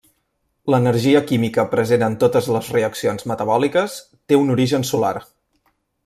L'energia química present en totes les reaccions metabòliques té un origen solar.